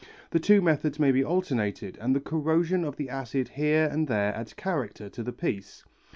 The two methods may be alternated and the corrosion of the acid here and there adds character to the piece.